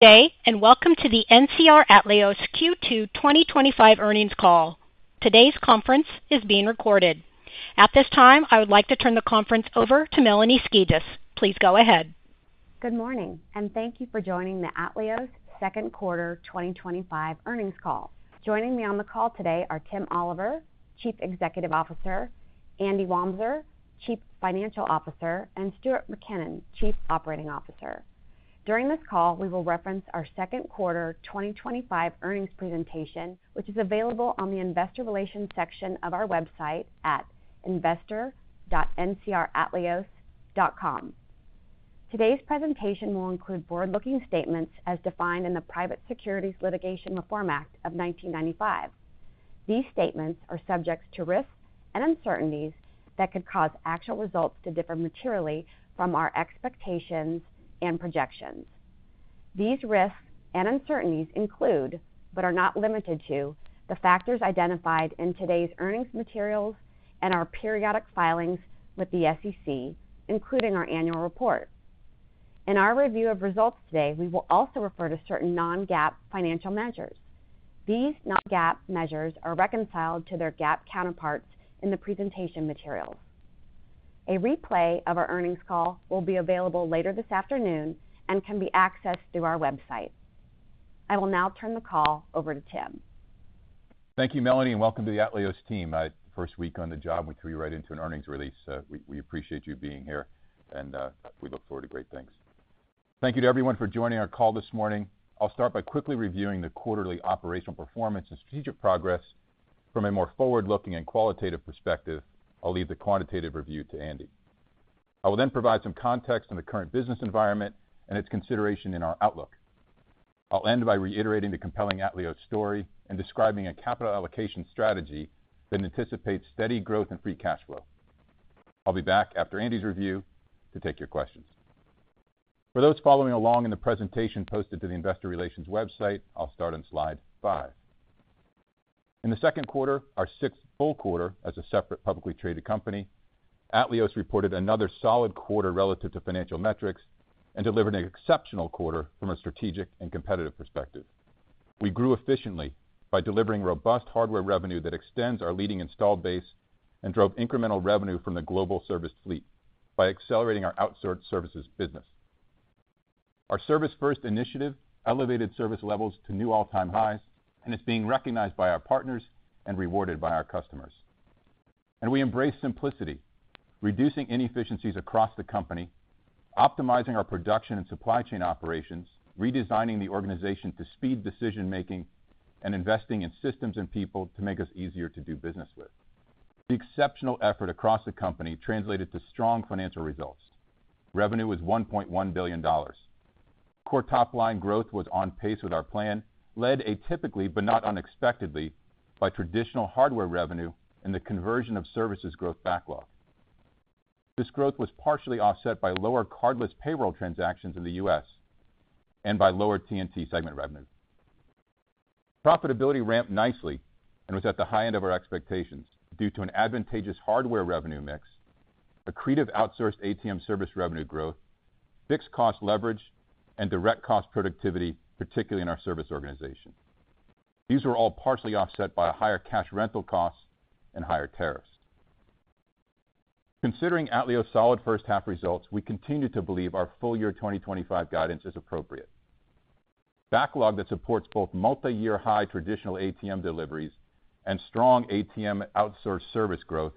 Today, and welcome to the NCR Atleos Q2 2025 Earnings Call. Today's conference is being recorded. At this time, I would like to turn the conference over to Melanie Skijus. Please go ahead. Good morning, and thank you for joining the Atleos Second Quarter 2025 Earnings Call. Joining me on the call today are Tim Oliver, Chief Executive Officer, Andy Wamser, Chief Financial Officer, and Stuart MacKinnon, Chief Operating Officer. During this call, we will reference our second quarter 2025 earnings presentation, which is available on the Investor Relations section of our website at investor.ncratleos.com. Today's presentation will include forward-looking statements as defined in the Private Securities Litigation Reform Act of 1995. These statements are subject to risks and uncertainties that could cause actual results to differ materially from our expectations and projections. These risks and uncertainties include, but are not limited to, the factors identified in today's earnings materials and our periodic filings with the SEC, including our annual report. In our review of results today, we will also refer to certain non-GAAP financial measures. These non-GAAP measures are reconciled to their GAAP counterparts in the presentation material. A replay of our earnings call will be available later this afternoon and can be accessed through our website. I will now turn the call over to Tim. Thank you, Melanie, and welcome to the Atleos team. The first week on the job threw you right into an earnings release. We appreciate you being here, and we look forward to great things. Thank you to everyone for joining our call this morning. I'll start by quickly reviewing the quarterly operational performance and strategic progress from a more forward-looking and qualitative perspective. I'll leave the quantitative review to Andy. I will then provide some context on the current business environment and its consideration in our outlook. I'll end by reiterating the compelling Atleos story and describing a capital allocation strategy that anticipates steady growth and free cash flow. I'll be back after Andy's review to take your questions. For those following along in the presentation posted to the Investor Relations website, I'll start on slide five. In the second quarter, our sixth full quarter as a separate publicly traded company, Atleos reported another solid quarter relative to financial metrics and delivered an exceptional quarter from a strategic and competitive perspective. We grew efficiently by delivering robust hardware revenue that extends our leading installed base and drove incremental revenue from the global service fleet by accelerating our outsourced services business. Our service-first initiative elevated service levels to new all-time highs, and it's being recognized by our partners and rewarded by our customers. We embrace simplicity, reducing inefficiencies across the company, optimizing our production and supply chain operations, redesigning the organization to speed decision-making, and investing in systems and people to make us easier to do business with. The exceptional effort across the company translated to strong financial results. Revenue was $1.1 billion. Core top-line growth was on pace with our plan, led atypically but not unexpectedly by traditional hardware revenue and the conversion of services growth backlog. This growth was partially offset by lower cardless payroll transactions in the U.S. and by lower T&T segment revenue. Profitability ramped nicely and was at the high end of our expectations due to an advantageous hardware revenue mix, accretive outsourced ATM service revenue growth, fixed cost leverage, and direct cost productivity, particularly in our service organization. These were all partially offset by higher cash rental costs and higher tariffs. Considering Atleos' solid first half results, we continue to believe our full-year 2025 guidance is appropriate. Backlog that supports both multi-year high traditional ATM deliveries and strong ATM outsourced service growth,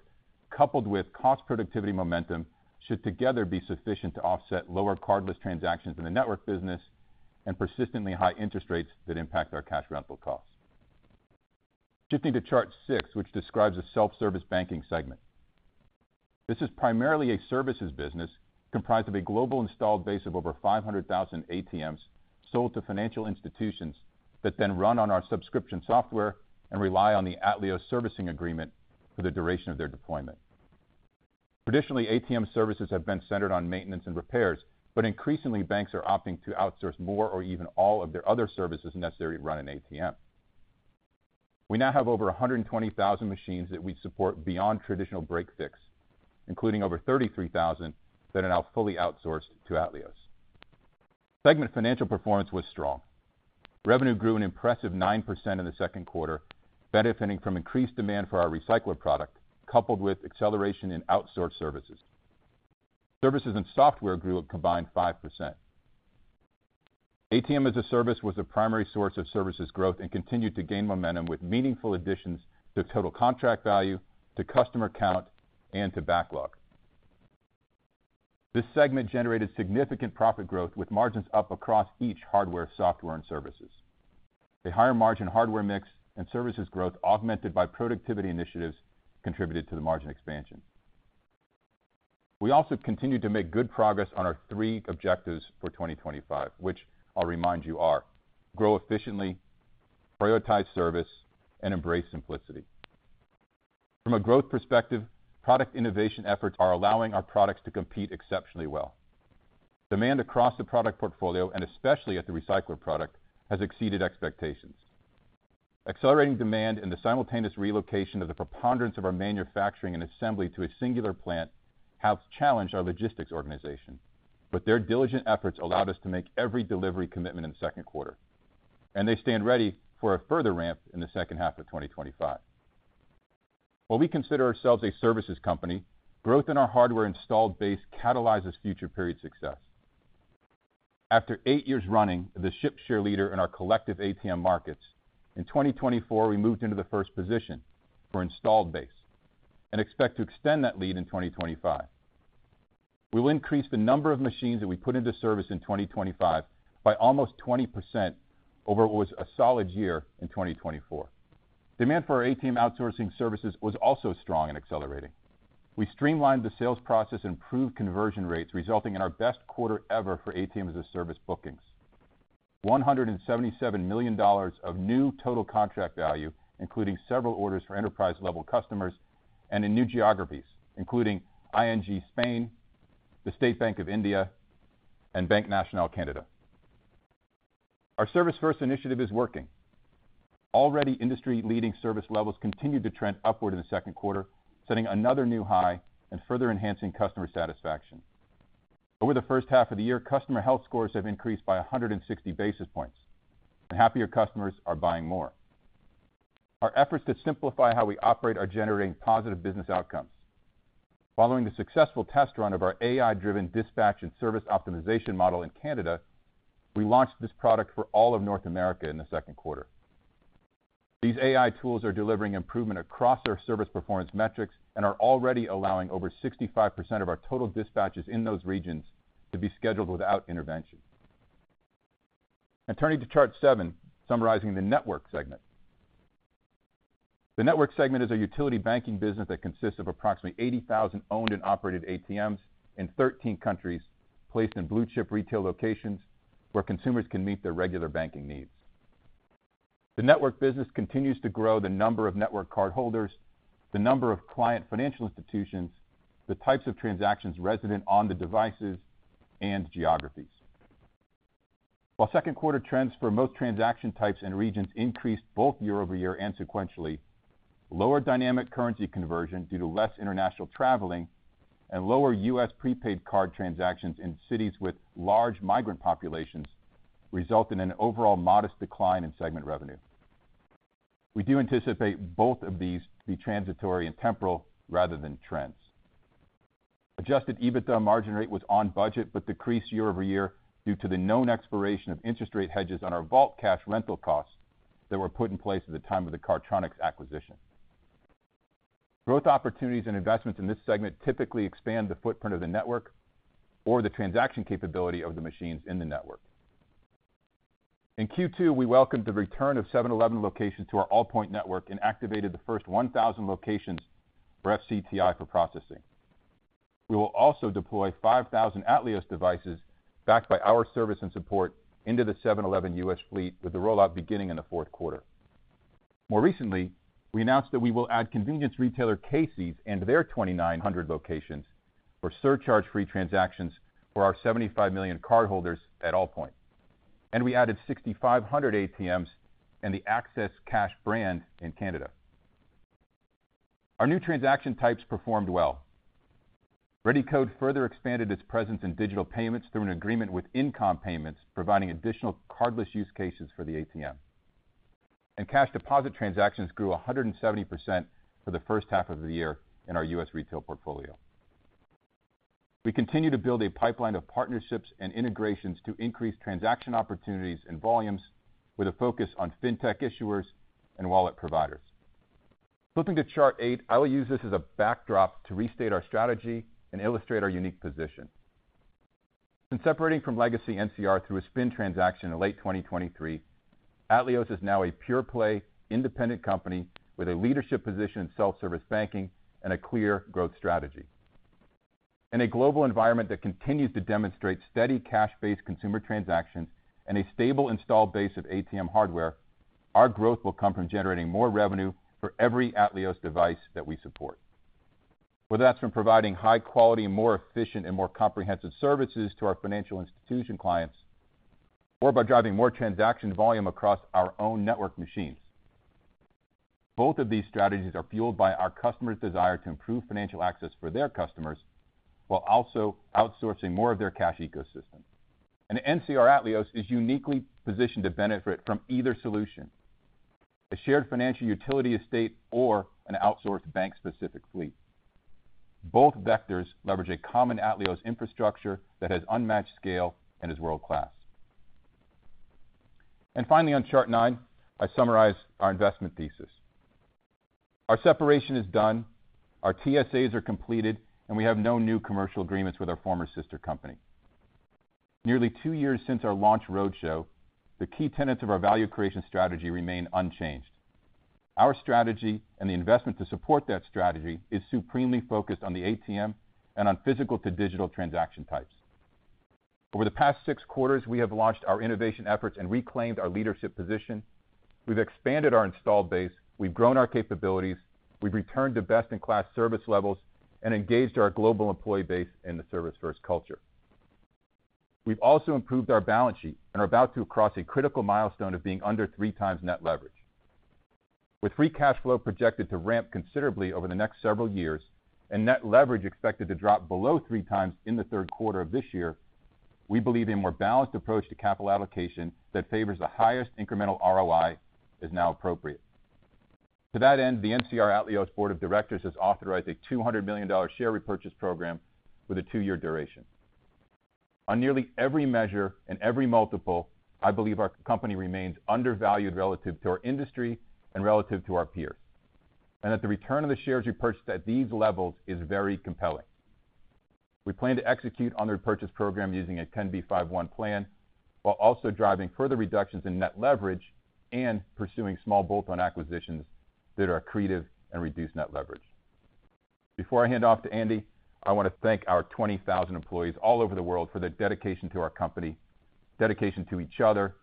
coupled with cost productivity momentum, should together be sufficient to offset lower cardless transactions in the network business and persistently high interest rates that impact our cash rental costs. Shifting to chart six, which describes the self-service banking segment. This is primarily a services business comprised of a global installed base of over 500,000 ATMs sold to financial institutions that then run on our subscription software and rely on the Atleos servicing agreement for the duration of their deployment. Traditionally, ATM services have been centered on maintenance and repairs, but increasingly, banks are opting to outsource more or even all of their other services necessary to run an ATM. We now have over 120,000 machines that we support beyond traditional break-fix, including over 33,000 that are now fully outsourced to Atleos. Segment financial performance was strong. Revenue grew an impressive 9% in the second quarter, benefiting from increased demand for our recycled product, coupled with acceleration in outsourced services. Services and software grew a combined 5%. ATM as a Service was the primary source of services growth and continued to gain momentum with meaningful additions to total contract value, to customer count, and to backlog. This segment generated significant profit growth with margins up across each hardware, software, and services. A higher margin hardware mix and services growth augmented by productivity initiatives contributed to the margin expansion. We also continue to make good progress on our three objectives for 2025, which I'll remind you are: grow efficiently, prioritize service, and embrace simplicity. From a growth perspective, product innovation efforts are allowing our products to compete exceptionally well. Demand across the product portfolio, and especially at the recycled product, has exceeded expectations. Accelerating demand and the simultaneous relocation of the preponderance of our manufacturing and assembly to a singular plant have challenged our logistics organization, but their diligent efforts allowed us to make every delivery commitment in the second quarter, and they stand ready for a further ramp in the second half of 2025. While we consider ourselves a services company, growth in our hardware installed base catalyzes future-period success. After eight years running as the ship's share leader in our collective ATM markets, in 2024, we moved into the first position for installed base and expect to extend that lead in 2025. We will increase the number of machines that we put into service in 2025 by almost 20% over what was a solid year in 2024. Demand for our ATM outsourcing services was also strong and accelerating. We streamlined the sales process and improved conversion rates, resulting in our best quarter ever for ATM as a Service bookings. $177 million of new total contract value, including several orders for enterprise-level customers and in new geographies, including ING Spain, the State Bank of India, and Bank National Canada. Our service-first initiative is working. Already industry-leading service levels continue to trend upward in the second quarter, setting another new high and further enhancing customer satisfaction. Over the first half of the year, customer health scores have increased by 160 basis points, and happier customers are buying more. Our efforts to simplify how we operate are generating positive business outcomes. Following the successful test run of our AI-driven dispatch and service optimization model in Canada, we launched this product for all of North America in the second quarter. These AI tools are delivering improvement across our service performance metrics and are already allowing over 65% of our total dispatches in those regions to be scheduled without intervention. Turning to chart seven, summarizing the Network segment. The Network segment is a utility banking business that consists of approximately 80,000 owned and operated ATMs in 13 countries, placed in blue-chip retail locations where consumers can meet their regular banking needs. The Network business continues to grow the number of Network cardholders, the number of client financial institutions, the types of transactions resident on the devices, and geographies. While second quarter trends for most transaction types and regions increased both year-over-year and sequentially, lower dynamic currency conversion due to less international traveling and lower U.S. prepaid card transactions in cities with large migrant populations resulted in an overall modest decline in segment revenue. We do anticipate both of these to be transitory and temporal rather than trends. Adjusted EBITDA margin rate was on budget but decreased year-over-year due to the known expiration of interest rate hedges on our vault cash rental costs that were put in place at the time of the Cardtronics acquisition. Growth opportunities and investments in this segment typically expand the footprint of the network or the transaction capability of the machines in the network. In Q2, we welcomed the return of 7-Eleven locations to and activated the first 1,000 locations for FCTI for processing. We will also deploy 5,000 Atleos devices backed by our service and support into the 7-Eleven U.S. fleet with the rollout beginning in the fourth quarter. More recently, we announced that we will add convenience retailer Casey's and their 2,900 locations for surcharge-free transactions for our 75 million cardholders at Allpoint. We added 6,500 ATMs and the Access Cash brand in Canada. Our new transaction types performed well. ReadyCode further expanded its presence in digital payments through an agreement with InComm Payments, providing additional cardless use cases for the ATM. Cash deposit transactions grew 170% for the first half of the year in our U.S. retail portfolio. We continue to build a pipeline of partnerships and integrations to increase transaction opportunities and volumes with a focus on fintech issuers and wallet providers. Flipping to chart eight, I will use this as a backdrop to restate our strategy and illustrate our unique position. In separating from legacy NCR through a spin transaction in late 2023, Atleos is now a pure-play, independent company with a leadership position in self-service banking and a clear growth strategy. In a global environment that continues to demonstrate steady cash-based consumer transaction and a stable installed base of ATM hardware, our growth will come from generating more revenue for every Atleos device that we support. Whether that's from providing high-quality, more efficient, and more comprehensive services to our financial institution clients or by driving more transaction volume across our own network machines, both of these strategies are fueled by our customers' desire to improve financial access for their customers while also outsourcing more of their cash ecosystem. NCR Atleos is uniquely positioned to benefit from either solution: a shared financial utility estate or an outsourced bank-specific fleet. Both vectors leverage a common Atleos infrastructure that has unmatched scale and is world-class. Finally, on chart nine, I summarize our investment thesis. Our separation is done, our TSAs are completed, and we have no new commercial agreements with our former sister company. Nearly two years since our launch roadshow, the key tenets of our value creation strategy remain unchanged. Our strategy and the investment to support that strategy is supremely focused on the ATM and on physical to digital transaction types. Over the past six quarters, we have launched our innovation efforts and reclaimed our leadership position. We've expanded our installed base, we've grown our capabilities, we've returned to best-in-class service levels, and engaged our global employee base in the service-first culture. We've also improved our balance sheet and are about to cross a critical milestone of being under three times net leverage. With free cash flow projected to ramp considerably over the next several years and net leverage expected to drop below 3x in the third quarter of this year, we believe a more balanced approach to capital allocation that favors the highest incremental ROI is now appropriate. To that end, the NCR Atleos Board of Directors has authorized a $200 million share repurchase program with a two-year duration. On nearly every measure and every multiple, I believe our company remains undervalued relative to our industry and relative to our peers. The return on the shares repurchased at these levels is very compelling. We plan to execute on the repurchase program using a 10b5-1 plan while also driving further reductions in net leverage and pursuing small bolt-on acquisitions that are accretive and reduce net leverage. Before I hand off to Andy, I want to thank our 20,000 employees all over the world for their dedication to our company, dedication to each other,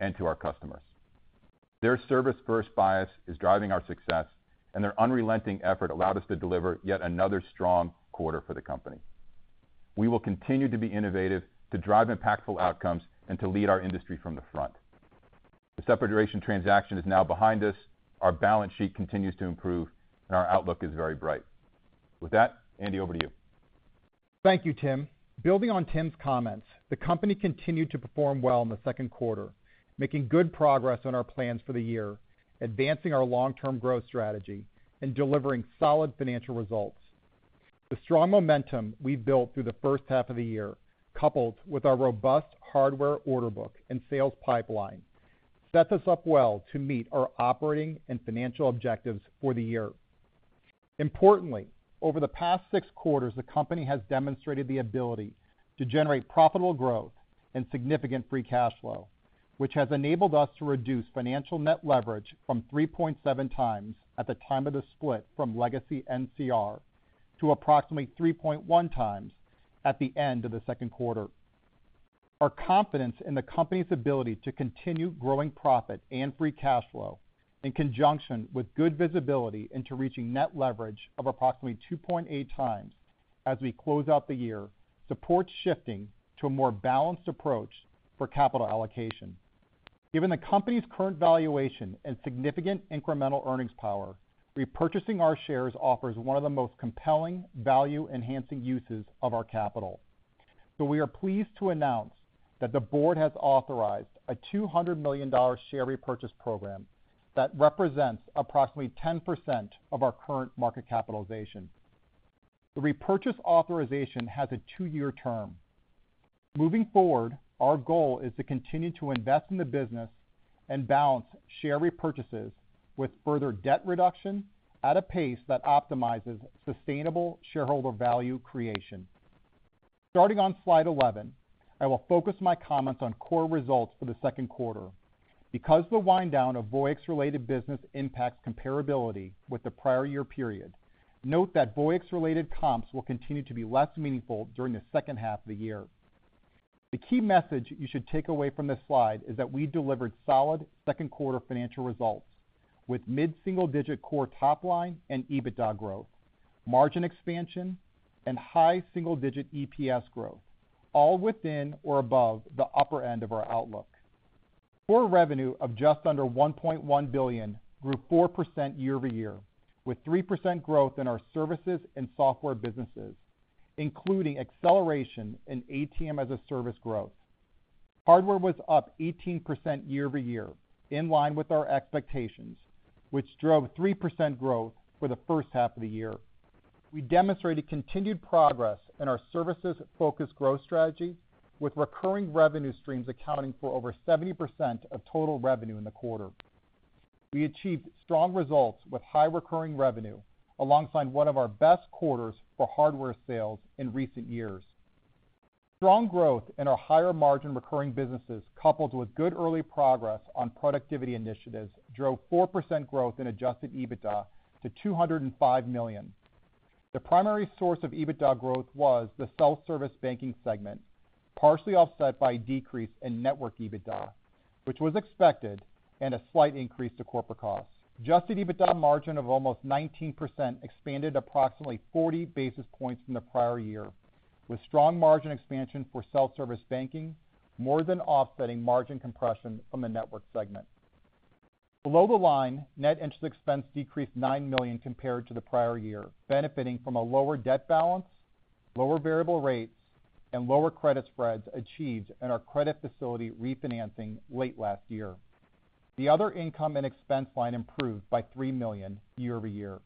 and to our customers. Their service-first bias is driving our success, and their unrelenting effort allowed us to deliver yet another strong quarter for the company. We will continue to be innovative to drive impactful outcomes and to lead our industry from the front. The separation transaction is now behind us, our balance sheet continues to improve, and our outlook is very bright. With that, Andy, over to you. Thank you, Tim. Building on Tim's comments, the company continued to perform well in the second quarter, making good progress on our plans for the year, advancing our long-term growth strategy, and delivering solid financial results. The strong momentum we've built through the first half of the year, coupled with our robust hardware order book and sales pipeline, sets us up well to meet our operating and financial objectives for the year. Importantly, over the past six quarters, the company has demonstrated the ability to generate profitable growth and significant free cash flow, which has enabled us to reduce financial net leverage from 3.7x at the time of the split from legacy NCR to approximately 3.1x at the end of the second quarter. Our confidence in the company's ability to continue growing profit and free cash flow, in conjunction with good visibility into reaching net leverage of approximately 2.8x as we close out the year, supports shifting to a more balanced approach for capital allocation. Given the company's current valuation and significant incremental earnings power, repurchasing our shares offers one of the most compelling value-enhancing uses of our capital. We are pleased to announce that the board has authorized a $200 million share repurchase program that represents approximately 10% of our current market capitalization. The repurchase authorization has a two-year term. Moving forward, our goal is to continue to invest in the business and balance share repurchases with further debt reduction at a pace that optimizes sustainable shareholder value creation. Starting on slide 11, I will focus my comments on core results for the second quarter. Because the wind-down of Voyix-related business impacts comparability with the prior year period, note that Voyix-related comps will continue to be less meaningful during the second half of the year. The key message you should take away from this slide is that we delivered solid second quarter financial results with mid-single-digit core top-line and EBITDA growth, margin expansion, and high single-digit EPS growth, all within or above the upper end of our outlook. Core revenue of just under $1.1 billion grew 4% year-over-year, with 3% growth in our services and software businesses, including acceleration in ATM as a Service growth. Hardware was up 18% year-over-year, in line with our expectations, which drove 3% growth for the first half of the year. We demonstrated continued progress in our services-focused growth strategy, with recurring revenue streams accounting for over 70% of total revenue in the quarter. We achieved strong results with high recurring revenue, alongside one of our best quarters for hardware sales in recent years. Strong growth in our higher margin recurring businesses, coupled with good early progress on productivity initiatives, drove 4% growth in adjusted EBITDA to $205 million. The primary source of EBITDA growth was the Self-Service Banking segment, partially offset by a decrease in network EBITDA, which was expected, and a slight increase to corporate costs. Adjusted EBITDA margin of almost 19% expanded approximately 40 basis points from the prior year, with strong margin expansion for Self-Service Banking more than offsetting margin compression from the Network segment. Below the line, net interest expense decreased $9 million compared to the prior year, benefiting from a lower debt balance, lower variable rates, and lower credit spreads achieved in our credit facility refinancing late last year. The other income and expense line improved by $3 million year-over-year.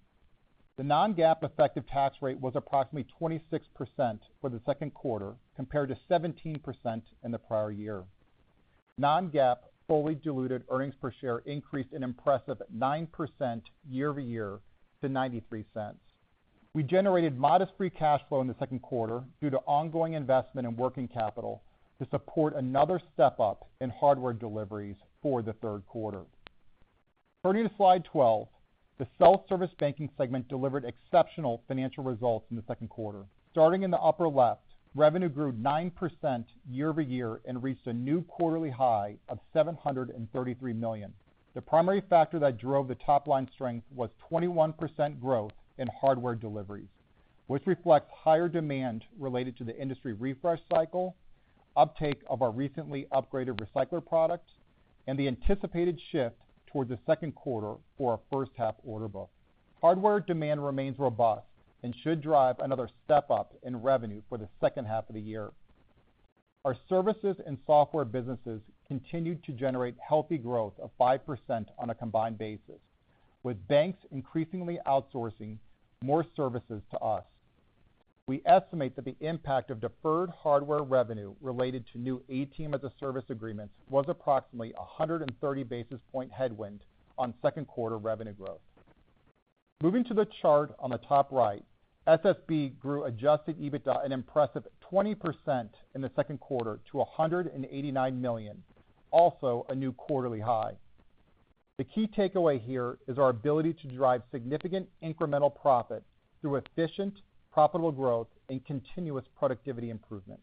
The non-GAAP effective tax rate was approximately 26% for the second quarter, compared to 17% in the prior year. Non-GAAP fully diluted earnings per share increased an impressive 9% year-over-year to $0.93. We generated modest free cash flow in the second quarter due to ongoing investment in working capital to support another step-up in hardware deliveries for the third quarter. Turning to slide 12, the Self-Service Banking segment delivered exceptional financial results in the second quarter. Starting in the upper left, revenue grew 9% year-over-year and reached a new quarterly high of $733 million. The primary factor that drove the top-line strength was 21% growth in hardware deliveries, which reflects higher demand related to the industry refresh cycle, uptake of our recently upgraded recycler product, and the anticipated shift towards the second quarter for our first half order book. Hardware demand remains robust and should drive another step-up in revenue for the second half of the year. Our services and software businesses continued to generate healthy growth of 5% on a combined basis, with banks increasingly outsourcing more services to us. We estimate that the impact of deferred hardware revenue related to new ATM as a Service agreements was approximately 130 basis point headwind on second quarter revenue growth. Moving to the chart on the top right, SSB grew adjusted EBITDA an impressive 20% in the second quarter to $189 million, also a new quarterly high. The key takeaway here is our ability to drive significant incremental profit through efficient, profitable growth and continuous productivity improvements.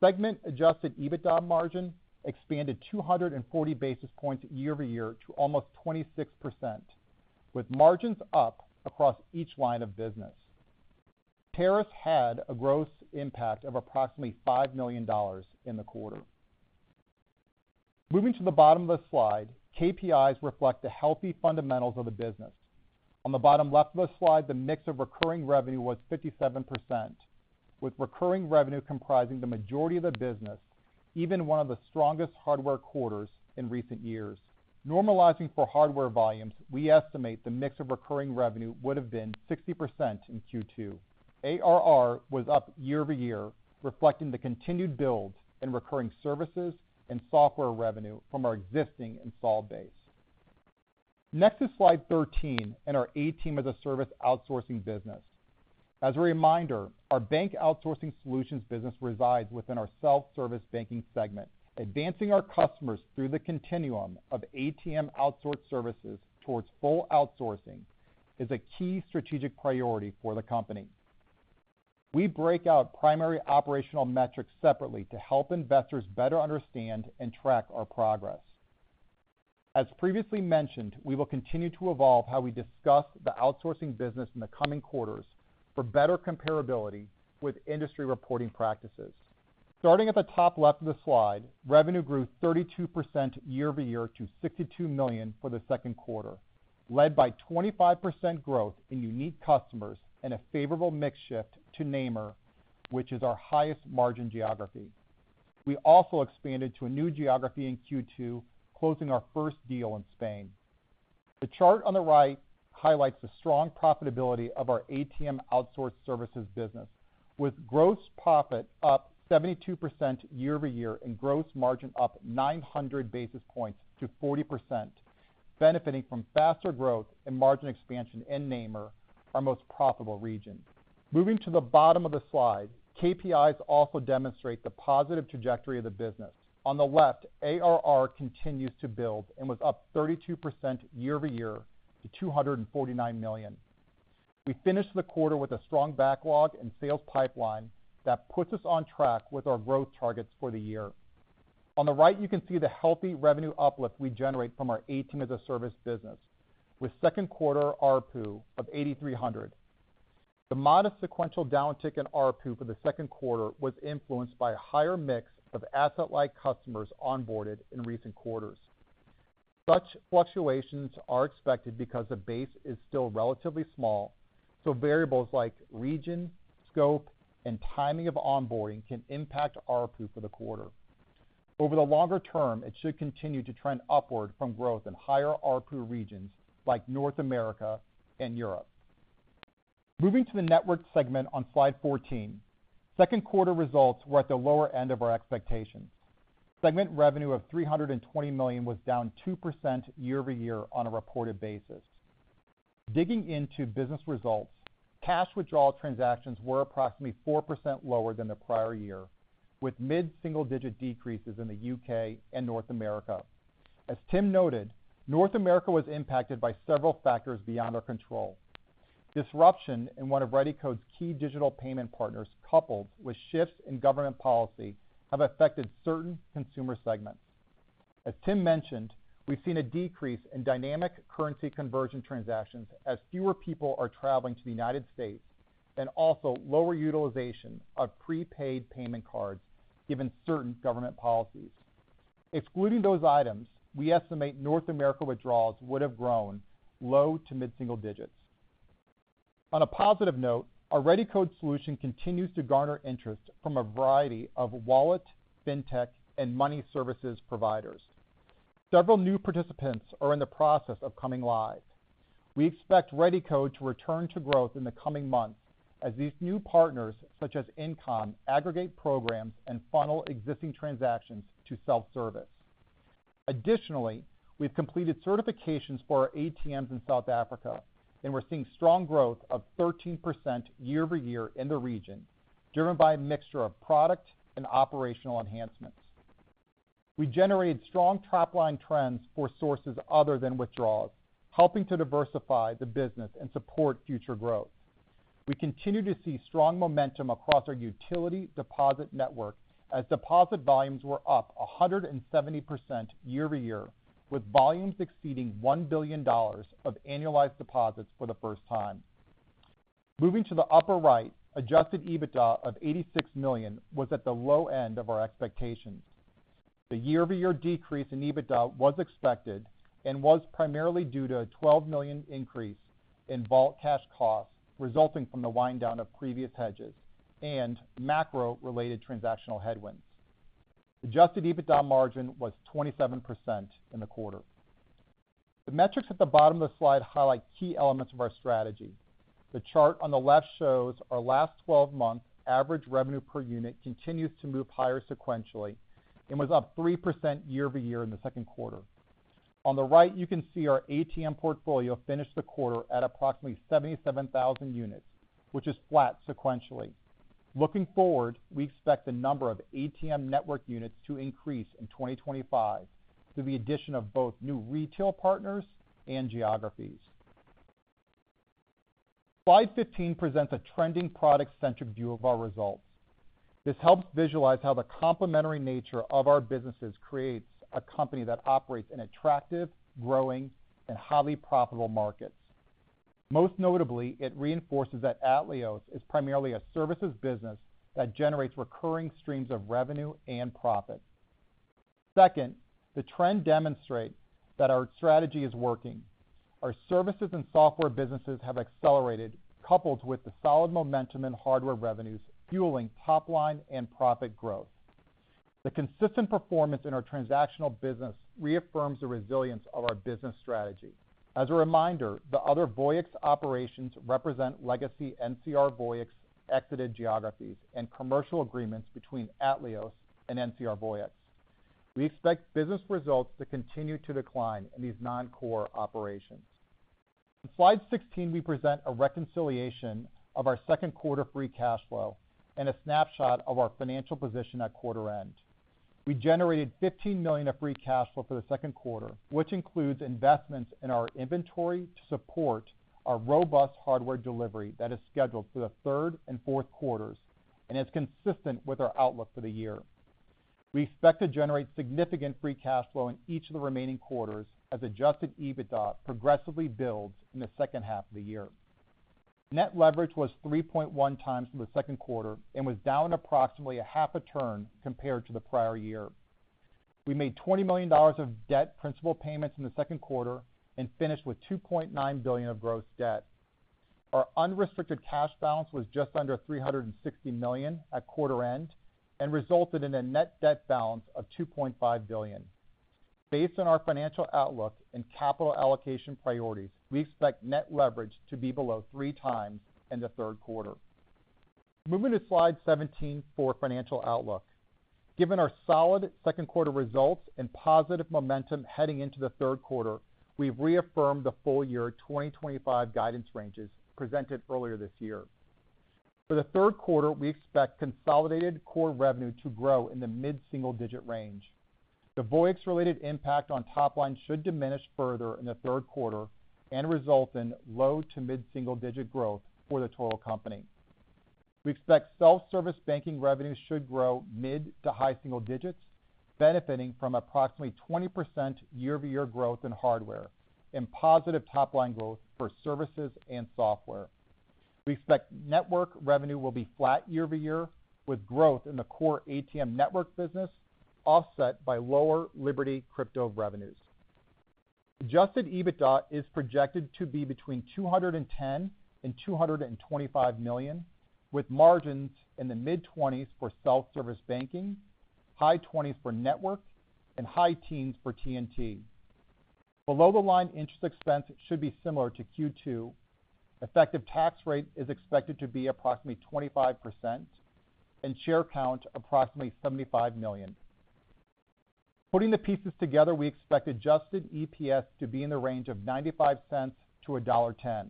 Segment-adjusted EBITDA margin expanded 240 basis points year-over-year to almost 26%, with margins up across each line of business. Tariffs had a gross impact of approximately $5 million in the quarter. Moving to the bottom of the slide, KPIs reflect the healthy fundamentals of the business. On the bottom left of the slide, the mix of recurring revenue was 57%, with recurring revenue comprising the majority of the business, even in one of the strongest hardware quarters in recent years. Normalizing for hardware volumes, we estimate the mix of recurring revenue would have been 60% in Q2. ARR was up year-over-year, reflecting the continued build in recurring services and software revenue from our existing installed base. Next is slide 13 and our ATM as a Service outsourcing business. As a reminder, our bank outsourcing solutions business resides within our Self-Service Banking segment. Advancing our customers through the continuum of ATM outsourced services towards full outsourcing is a key strategic priority for the company. We break out primary operational metrics separately to help investors better understand and track our progress. As previously mentioned, we will continue to evolve how we discuss the outsourcing business in the coming quarters for better comparability with industry reporting practices. Starting at the top left of the slide, revenue grew 32% year-over-year to $62 million for the second quarter, led by 25% growth in unique customers and a favorable mix shift to Namur, which is our highest margin geography. We also expanded to a new geography in Q2, closing our first deal in Spain. The chart on the right highlights the strong profitability of our ATM outsourced services business, with gross profit up 72% year-over-year and gross margin up 900 basis points to 40%, benefiting from faster growth and margin expansion in Namur, our most profitable region. Moving to the bottom of the slide, KPIs also demonstrate the positive trajectory of the business. On the left, ARR continues to build and was up 32% year-over-year to $249 million. We finished the quarter with a strong backlog and sales pipeline that puts us on track with our growth targets for the year. On the right, you can see the healthy revenue uplift we generate from our ATM as a Service business, with second quarter ARPU of $8,300. The modest sequential downtick in ARPU for the second quarter was influenced by a higher mix of asset-like customers onboarded in recent quarters. Such fluctuations are expected because the base is still relatively small, so variables like region, scope, and timing of onboarding can impact ARPU for the quarter. Over the longer term, it should continue to trend upward from growth in higher ARPU regions like North America and Europe. Moving to the network segment on slide 14, second quarter results were at the lower end of our expectations. Segment revenue of $320 million was down 2% year-over-year on a reported basis. Digging into business results, cash withdrawal transactions were approximately 4% lower than the prior year, with mid-single-digit decreases in the U.K. and North America. As Tim noted, North America was impacted by several factors beyond our control. Disruption in one of ReadyCode digital payments' key partners, coupled with shifts in government policy, have affected certain consumer segments. As Tim mentioned, we've seen a decrease in dynamic currency conversion transactions as fewer people are traveling to the United States, and also lower utilization of prepaid payment cards given certain government policies. Excluding those items, we estimate North America withdrawals would have grown low to mid-single digits. On a positive note, our ReadyCode solution continues to garner interest from a variety of wallet, fintech, and money services providers. Several new participants are in the process of coming live. We expect ReadyCode to return to growth in the coming months as these new partners, such as InComm, aggregate programs and funnel existing transactions to self-service. Additionally, we've completed certifications for our ATMs in South Africa, and we're seeing strong growth of 13% year-over-year in the region, driven by a mixture of product and operational enhancements. We generated strong top-line trends for sources other than withdrawals, helping to diversify the business and support future growth. We continue to see strong momentum across our utility deposit network as deposit volumes were up 170% year-over-year, with volumes exceeding $1 billion of annualized deposits for the first time. Moving to the upper right, adjusted EBITDA of $86 million was at the low end of our expectations. The year-over-year decrease in EBITDA was expected and was primarily due to a $12 million increase in vault cash costs resulting from the wind-down of previous hedges and macro-related transactional headwinds. Adjusted EBITDA margin was 27% in the quarter. The metrics at the bottom of the slide highlight key elements of our strategy. The chart on the left shows our last 12 months' average revenue per unit continues to move higher sequentially and was up 3% year-over-year in the second quarter. On the right, you can see our ATM portfolio finished the quarter at approximately 77,000 units, which is flat sequentially. Looking forward, we expect the number of ATM Network units to increase in 2025 through the addition of both new retail partners and geographies. Slide 15 presents a trending product-centric view of our results. This helps visualize how the complementary nature of our businesses creates a company that operates in attractive, growing, and highly profitable markets. Most notably, it reinforces that Atleos is primarily a services business that generates recurring streams of revenue and profit. Second, the trend demonstrates that our strategy is working. Our services and software businesses have accelerated, coupled with the solid momentum in hardware revenues fueling top-line and profit growth. The consistent performance in our transactional business reaffirms the resilience of our business strategy. As a reminder, the other Voyix operations represent legacy NCR Voyix exited geographies and commercial agreements between Atleos and NCR Voyix. We expect business results to continue to decline in these non-core operations. On slide 16, we present a reconciliation of our second quarter free cash flow and a snapshot of our financial position at quarter end. We generated $15 million of free cash flow for the second quarter, which includes investments in our inventory to support our robust hardware delivery that is scheduled for the third and fourth quarters, and it's consistent with our outlook for the year. We expect to generate significant free cash flow in each of the remaining quarters as adjusted EBITDA progressively builds in the second half of the year. Net leverage was 3.1x in the second quarter and was down approximately a half a turn compared to the prior year. We made $20 million of debt principal payments in the second quarter and finished with $2.9 billion of gross debt. Our unrestricted cash balance was just under $360 million at quarter end and resulted in a net debt balance of $2.5 billion. Based on our financial outlook and capital allocation priorities, we expect net leverage to be below 3x in the third quarter. Moving to slide 17 for financial outlook. Given our solid second quarter results and positive momentum heading into the third quarter, we've reaffirmed the full year 2025 guidance ranges presented earlier this year. For the third quarter, we expect consolidated core revenue to grow in the mid-single-digit range. The Voyix-related impact on top-line should diminish further in the third quarter and result in low to mid-single-digit growth for the total company. We expect Self-Service Banking revenue should grow mid to high single digits, benefiting from approximately 20% year-over-year growth in hardware and positive top-line growth for services and software. We expect Network revenue will be flat year-over-year with growth in the core ATM network business offset by lower Liberty crypto revenues. Adjusted EBITDA is projected to be between $210 and $225 million, with margins in the mid-20s for Self-Service Banking, high 20s for Network, and high teens for T&T. Below-the-line interest expense should be similar to Q2. Effective tax rate is expected to be approximately 25% and share count approximately 75 million. Putting the pieces together, we expect adjusted EPS to be in the range of $0.95-$1.10.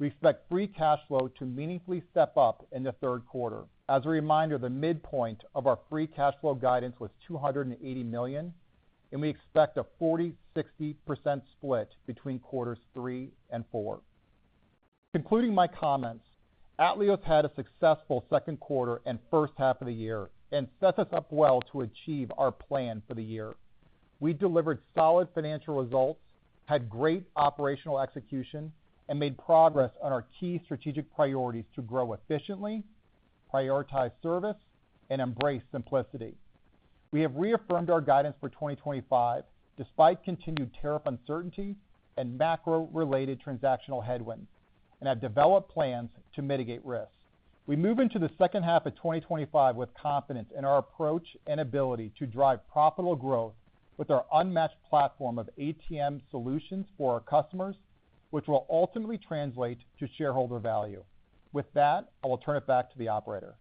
We expect free cash flow to meaningfully step up in the third quarter. As a reminder, the midpoint of our free cash flow guidance was $280 million, and we expect a 40%, 60% split between quarters three and four. Concluding my comments, Atleos had a successful second quarter and first half of the year and set us up well to achieve our plan for the year. We delivered solid financial results, had great operational execution, and made progress on our key strategic priorities to grow efficiently, prioritize service, and embrace simplicity. We have reaffirmed our guidance for 2025 despite continued tariff uncertainty and macro-related transactional headwinds and have developed plans to mitigate risks. We move into the second half of 2025 with confidence in our approach and ability to drive profitable growth with our unmatched platform of ATM solutions for our customers, which will ultimately translate to shareholder value. With that, I will turn it back to the operator.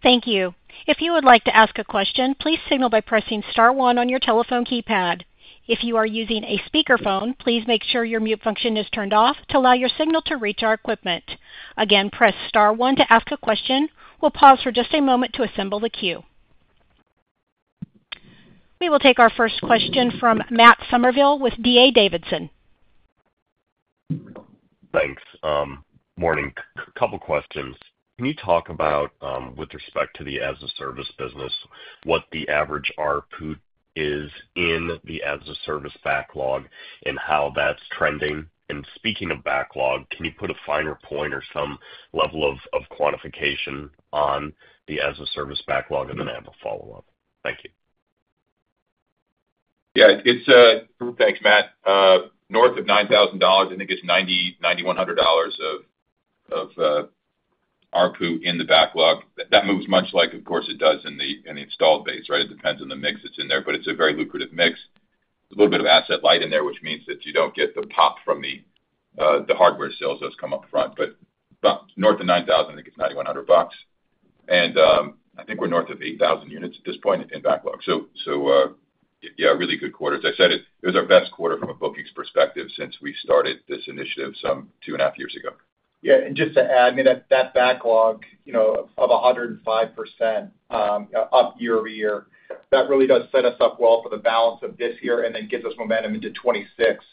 Thank you. If you would like to ask a question, please signal by pressing star one on your telephone keypad. If you are using a speakerphone, please make sure your mute function is turned off to allow your signal to reach our equipment. Again, press star one to ask a question. We'll pause for just a moment to assemble the queue. We will take our first question from Matt Summerville with D.A. Davidson. Thanks. Morning. A couple of questions. Can you talk about, with respect to the as-a-service business, what the average ARPU is in the as-a-service backlog and how that's trending? Speaking of backlog, can you put a finer point or some level of quantification on the as-a-service backlog? I have a follow-up. Thank you. Yeah, it's a group thanks, Matt. North of $9,000, I think it's $9,100 of ARPU in the backlog. That moves much like, of course, it does in the installed base, right? It depends on the mix that's in there, but it's a very lucrative mix. There's a little bit of asset light in there, which means that you don't get the pop from the hardware sales that come up front. North of $9,000, $9,100. I think we're north of 8,000 units at this point in backlog. Yeah, a really good quarter. As I said, it was our best quarter from a booking perspective since we started this initiative some two and a half years ago. Yeah, just to add, that backlog of 105% up year-over-year really does set us up well for the balance of this year and then gives us momentum into 2026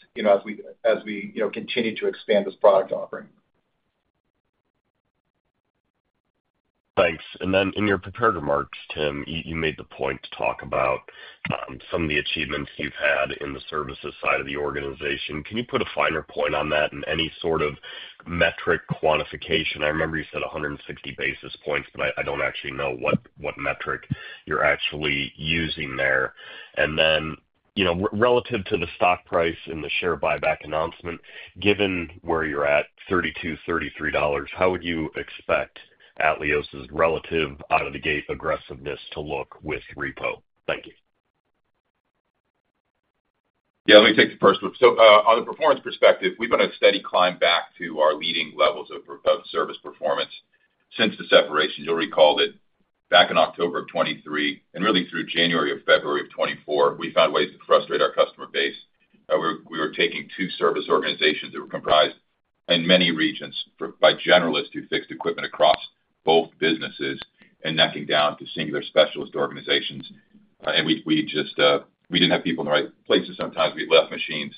as we continue to expand this product offering. Thanks. In your prepared remarks, Tim, you made the point to talk about some of the achievements you've had in the services side of the organization. Can you put a finer point on that in any sort of metric quantification? I remember you said 160 basis points, but I don't actually know what metric you're actually using there. Relative to the stock price and the share buyback announcement, given where you're at, $32, $33, how would you expect Atleos' relative out-of-the-gate aggressiveness to look with repo? Thank you. Let me take the first one. On the performance perspective, we've been a steady climb back to our leading levels of service performance since the separation. You'll recall that back in October of 2023 and really through January and February of 2024, we found ways to frustrate our customer base. However, we were taking two service organizations that were comprised in many regions by generalists who fixed equipment across both businesses and knocking down to singular specialist organizations. We just didn't have people in the right places. Sometimes we left machines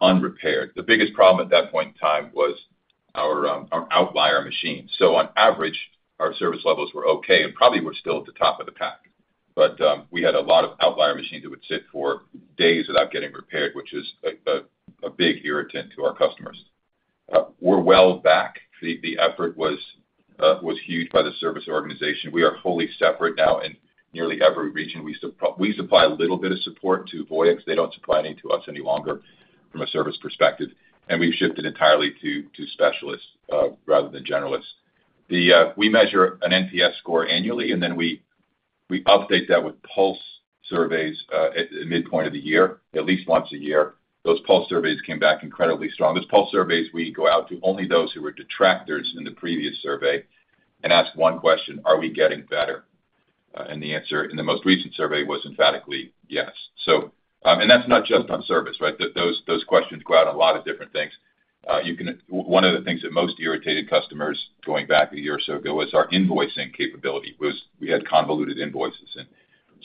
unrepaired. The biggest problem at that point in time was our outlier machines. On average, our service levels were okay and probably were still at the top of the pack. We had a lot of outlier machines that would sit for days without getting repaired, which is a big irritant to our customers. We're well back. The effort was huge by the service organization. We are fully separate now in nearly every region. We supply a little bit of support to Voyix. They don't supply any to us any longer from a service perspective. We've shifted entirely to specialists rather than generalists. We measure an NPS score annually, and then we update that with pulse surveys at the midpoint of the year, at least once a year. Those pulse surveys came back incredibly strong. Those pulse surveys, we go out to only those who were detractors in the previous survey and ask one question, are we getting better? The answer in the most recent survey was emphatically yes. That's not just on service. Those questions go out on a lot of different things. One of the things that most irritated customers going back a year or so ago was our invoicing capability. We had convoluted invoices.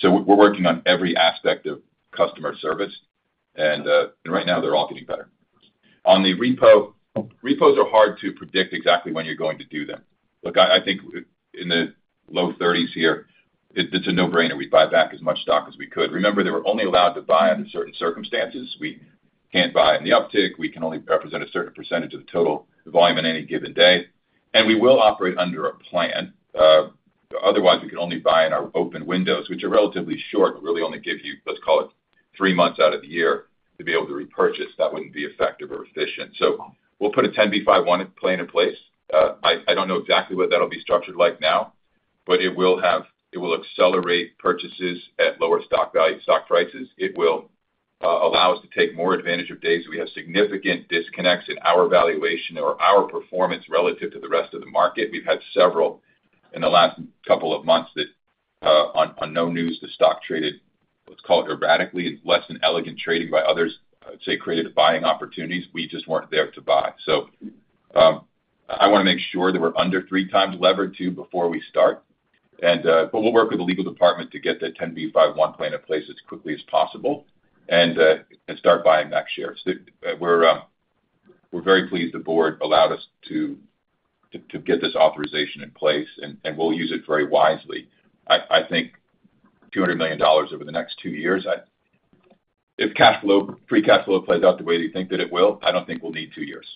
We're working on every aspect of customer service. Right now, they're all getting better. On the repo, repos are hard to predict exactly when you're going to do them. Look, I think in the low 30s here, it's a no-brainer. We buy back as much stock as we could. Remember, they were only allowed to buy under certain circumstances. We can't buy in the uptick. We can only represent a certain percentage of the total volume in any given day. We will operate under a plan. Otherwise, we can only buy in our open windows, which are relatively short and really only give you, let's call it, three months out of the year to be able to repurchase. That wouldn't be effective or efficient. We'll put a 10b5-1 plan in place. I don't know exactly what that'll be structured like now, but it will accelerate purchases at lower stock prices. It will allow us to take more advantage of days that we have significant disconnects in our valuation or our performance relative to the rest of the market. We've had several in the last couple of months that on no news, the stock traded, let's call it, erratically and less than elegant trading by others. I would say created buying opportunities. We just weren't there to buy. I want to make sure that we're under 3x levered too before we start. We'll work with the legal department to get that 10b5-1 plan in place as quickly as possible and start buying back shares. We're very pleased the board allowed us to get this authorization in place, and we'll use it very wisely. I think $200 million over the next two years, if free cash flow plays out the way they think that it will, I don't think we'll need two years.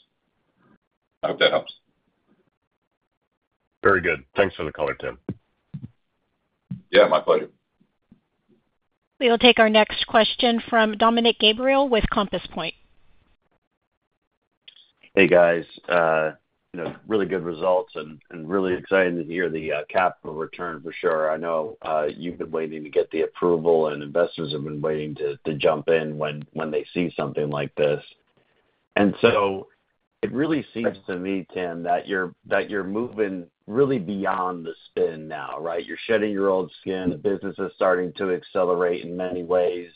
I hope that helps. Very good. Thanks for the call, Tim. Yeah, my pleasure. We will take our next question from Dominick Gabriele with Compass Point. Hey, guys. Really good results and really excited to hear the capital return for sure. I know you've been waiting to get the approval and investors have been waiting to jump in when they see something like this. It really seems to me, Tim, that you're moving really beyond the spin now, right? You're shedding your old skin. The business is starting to accelerate in many ways,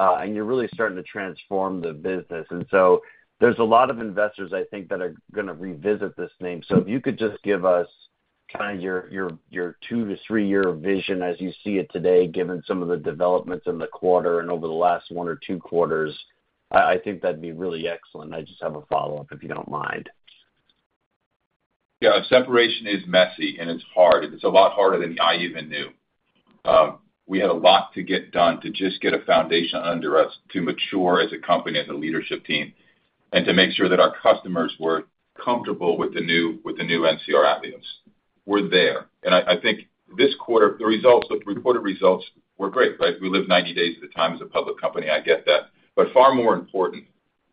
and you're really starting to transform the business. There are a lot of investors, I think, that are going to revisit this name. If you could just give us kind of your two to three-year vision as you see it today, given some of the developments in the quarter and over the last one or two quarters, I think that'd be really excellent. I just have a follow-up if you don't mind. Yeah, separation is messy and it's hard. It's a lot harder than I even knew. We had a lot to get done to just get a foundation under us to mature as a company, as a leadership team, and to make sure that our customers were comfortable with the new NCR Atleos. We're there. I think this quarter, the results, the reported results were great, right? We live 90 days at a time as a public company. I get that. Far more important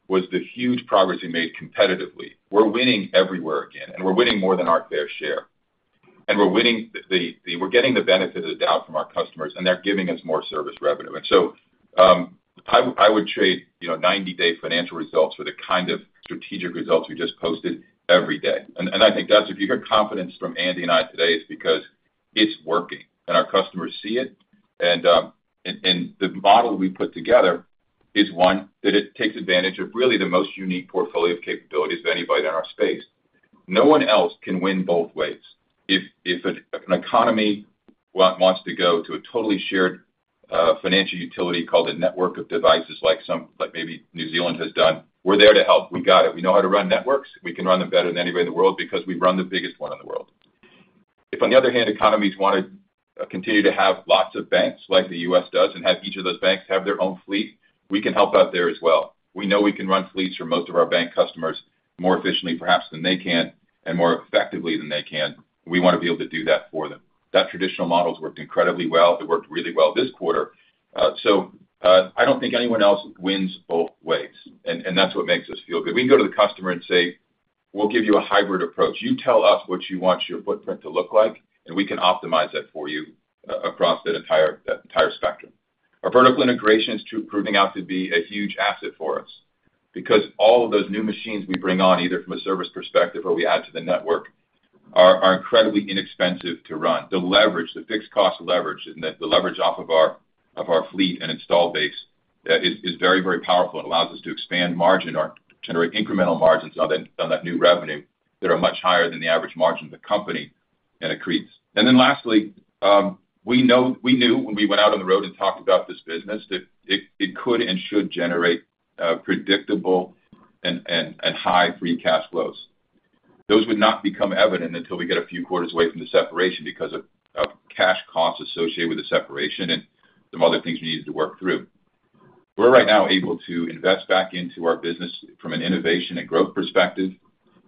was the huge progress we made competitively. We're winning everywhere again, and we're winning more than our fair share. We're getting the benefit of the doubt from our customers, and they're giving us more service revenue. I would trade 90-day financial results for the kind of strategic results we just posted every day. I think that's if you hear confidence from Andy and I today, it's because it's working and our customers see it. The model that we put together is one that takes advantage of really the most unique portfolio of capabilities of anybody in our space. No one else can win both ways. If an economy wants to go to a totally shared financial utility called a network of devices like maybe New Zealand has done, we're there to help. We got it. We know how to run networks. We can run them better than anybody in the world because we run the biggest one in the world. If, on the other hand, economies want to continue to have lots of banks like the U.S. does and have each of those banks have their own fleet, we can help out there as well. We know we can run fleets for most of our bank customers more efficiently perhaps than they can and more effectively than they can. We want to be able to do that for them. That traditional model has worked incredibly well. It worked really well this quarter. I don't think anyone else wins both ways, and that's what makes us feel good. We can go to the customer and say, we'll give you a hybrid approach. You tell us what you want your footprint to look like, and we can optimize that for you across that entire spectrum. Our vertical integration is proving out to be a huge asset for us because all of those new machines we bring on, either from a service perspective or we add to the network, are incredibly inexpensive to run. The leverage, the fixed cost leverage, and the leverage off of our fleet and install base is very, very powerful and allows us to expand margin or generate incremental margins on that new revenue that are much higher than the average margin of the company and accretes. Lastly, we knew when we went out on the road and talked about this business that it could and should generate predictable and high free cash flows. Those would not become evident until we get a few quarters away from the separation because of cash costs associated with the separation and some other things we needed to work through. We're right now able to invest back into our business from an innovation and growth perspective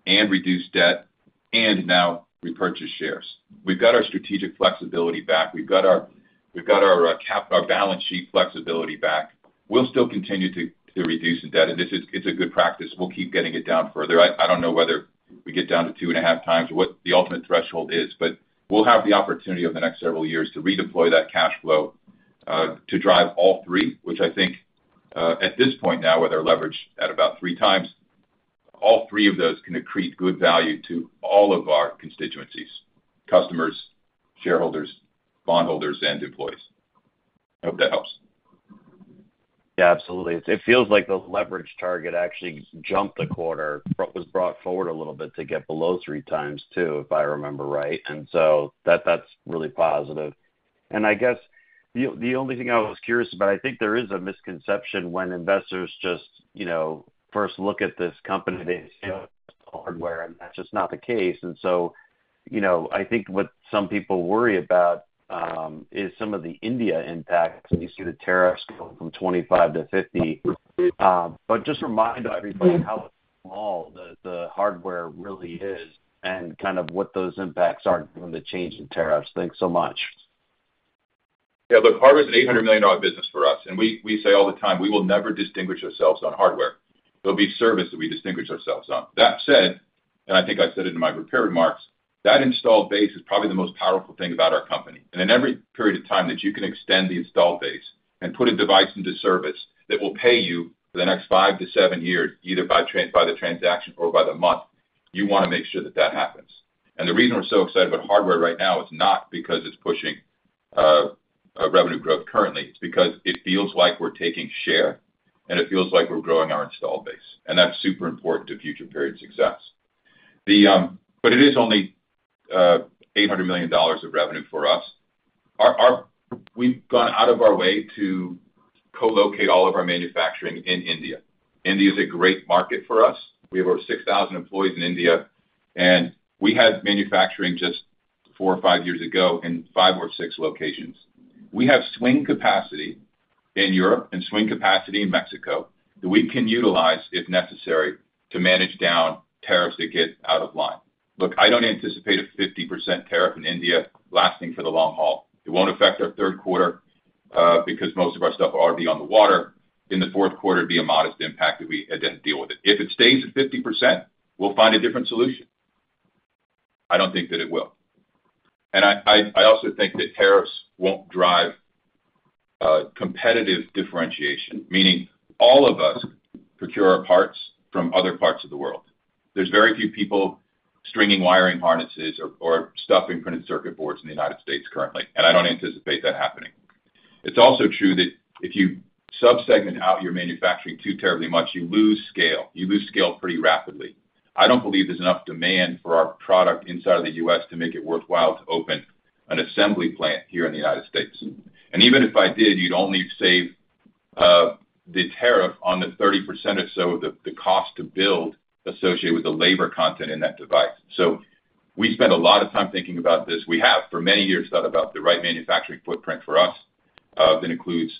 and reduce debt, and now repurchase shares. We've got our strategic flexibility back. We've got our cap, our balance sheet flexibility back. We'll still continue to reduce in debt, and it's a good practice. We'll keep getting it down further. I don't know whether we get down to 2.5x or what the ultimate threshold is, but we'll have the opportunity over the next several years to redeploy that cash flow to drive all three, which I think at this point now where they're leveraged at about 3x, all three of those can accrete good value to all of our constituencies: customers, shareholders, bondholders, and employees. I hope that helps. Yeah, absolutely. It feels like the leverage target actually jumped the quarter, was brought forward a little bit to get below 3x too, if I remember right. That's really positive. I guess the only thing I was curious about, I think there is a misconception when investors just, you know, first look at this company's hardware, and that's just not the case. I think what some people worry about is some of the India impacts, and you see the tariffs go from 25% to 50%. Just remind everybody how small the hardware really is and what those impacts are from the change in tariffs. Thanks so much. Yeah, look, hardware is an $800 million business for us. We say all the time, we will never distinguish ourselves on hardware. It'll be service that we distinguish ourselves on. That said, I think I said it in my prepared remarks, that installed base is probably the most powerful thing about our company. In every period of time that you can extend the installed base and put in device into service that will pay you for the next five to seven years, either by the transaction or by the month, you want to make sure that that happens. The reason we're so excited about hardware right now is not because it's pushing a revenue growth currently. It's because it feels like we're taking share and it feels like we're growing our installed base. That's super important to future period success. It is only $800 million of revenue for us. We've gone out of our way to co-locate all of our manufacturing in India. India is a great market for us. We have over 6,000 employees in India, and we had manufacturing just four or five years ago in five or six locations. We have swing capacity in Europe and swing capacity in Mexico that we can utilize if necessary to manage down tariffs that get out of line. I don't anticipate a 50% tariff in India lasting for the long haul. It won't affect our third quarter because most of our stuff will already be on the water. In the fourth quarter, it'd be a modest impact if we had to deal with it. If it stays at 50%, we'll find a different solution. I don't think that it will. I also think that tariffs won't drive competitive differentiation, meaning all of us procure our parts from other parts of the world. There's very few people stringing wiring harnesses or stuffing printed circuit boards in the United States currently, and I don't anticipate that happening. It's also true that if you subsegment out your manufacturing too terribly much, you lose scale. You lose scale pretty rapidly. I don't believe there's enough demand for our product inside of the U.S. to make it worthwhile to open an assembly plant here in the United States. Even if I did, you'd only save the tariff on the 30% or so of the cost to build associated with the labor content in that device. We spent a lot of time thinking about this. We have for many years thought about the right manufacturing footprint for us that includes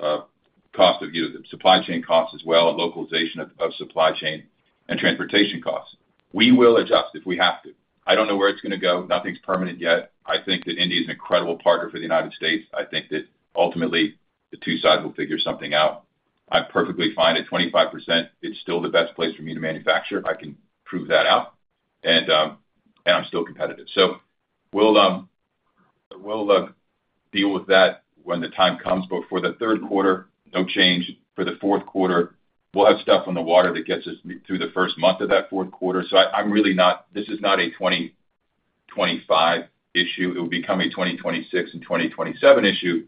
cost of use, supply chain costs as well, localization of supply chain, and transportation costs. We will adjust if we have to. I don't know where it's going to go. Nothing's permanent yet. I think that India is an incredible partner for the United States. I think that ultimately the two sides will figure something out. I'm perfectly fine at 25%. It's still the best place for me to manufacture. I can prove that out. I'm still competitive. We will deal with that when the time comes. For the third quarter, no change. For the fourth quarter, we'll have stuff on the water that gets us through the first month of that fourth quarter. I'm really not, this is not a 2025 issue. It will become a 2026 and 2027 issue.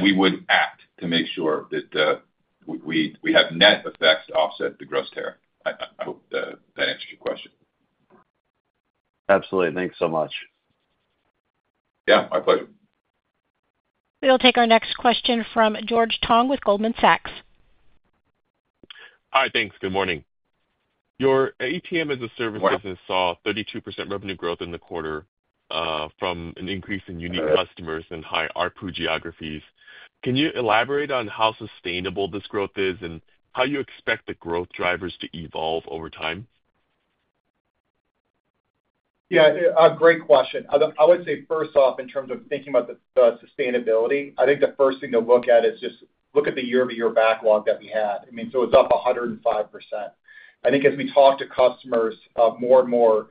We would act to make sure that we have net effects to offset the gross tariff. I hope that answers your question. Absolutely. Thanks so much. Yeah, my pleasure. We will take our next question from George Tong with Goldman Sachs. Hi, thanks. Good morning. Your ATM as a Service business saw 32% revenue growth in the quarter from an increase in unique customers and high ARPU geographies. Can you elaborate on how sustainable this growth is and how you expect the growth drivers to evolve over time? Yeah, great question. I would say first off, in terms of thinking about the sustainability, I think the first thing to look at is just look at the year-over-year backlog that we had. It's up 105%. I think as we talk to customers more and more